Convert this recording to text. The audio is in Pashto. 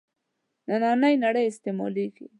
نننۍ نړۍ استعمالېږي.